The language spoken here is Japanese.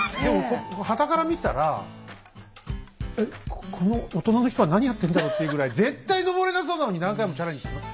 はたから見たらえっこの大人の人は何やってんだろうっていうぐらい絶対登れなそうなのに何回もチャレンジしてました。